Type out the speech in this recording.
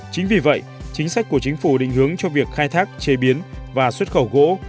chính vì vậy chính sách của chính phủ định hướng cho việc khai thác chế biến và xuất khẩu gỗ